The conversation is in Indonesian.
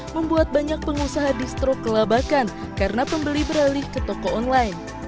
membuat banyak pengusaha distro kelabakan karena pembeli beralih ke toko online